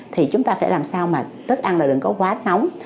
thì chúng ta phải làm sao mà tức ăn là đừng có quá nóng